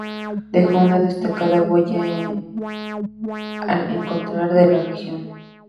Dejó una destacada huella en el acontecer de la región.